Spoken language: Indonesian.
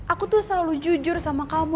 aku tuh selalu jujur sama kamu